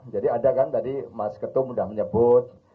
jadi ada kan tadi mas ketum sudah menyebut